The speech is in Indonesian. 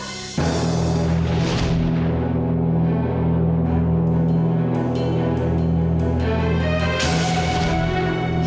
tidak ada yang ketukar